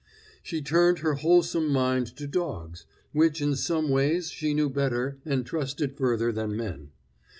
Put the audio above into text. She turned her wholesome mind to dogs, which in some ways she knew better and trusted further than men.